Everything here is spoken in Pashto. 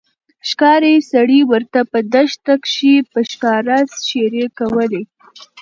ښکارې سړي ورته په دښته کښي په ښکاره ښيرې کولې